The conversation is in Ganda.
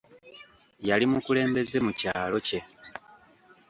Yali mukulembeze mu kyalo kye.